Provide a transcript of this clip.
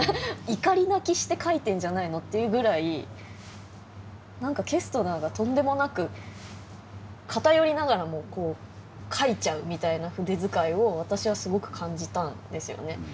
「怒り泣きして書いてんじゃないの」っていうぐらい何かケストナーがとんでもなく偏りながらもこう書いちゃうみたいな筆遣いを私はすごく感じたんですよね。